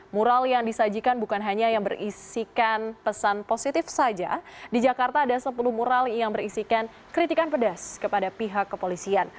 mural yang disajikan bukan hanya yang berisikan pesan positif saja di jakarta ada sepuluh mural yang berisikan kritikan pedas kepada pihak kepolisian